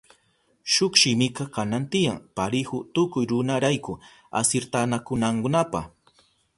Shuk shimika kanan tiyan parihu tukuy runarayku asirtanakunankunapa.